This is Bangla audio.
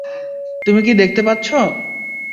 তুমি কী দেখতে পাচ্ছ?